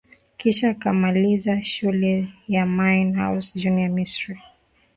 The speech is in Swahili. Kisha akamaliza shule ya Mine house Junior Misri